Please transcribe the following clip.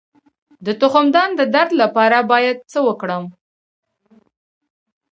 د تخمدان د درد لپاره باید څه وکړم؟